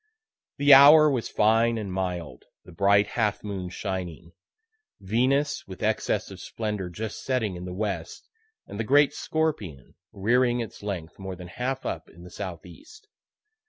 The hour was fine and mild, the bright half moon shining; Venus, with excess of splendor, just setting in the west, and the great Scorpion rearing its length more than half up in the southeast.